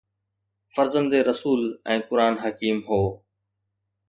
فرزند رسول ۽ قرآن حڪيم هو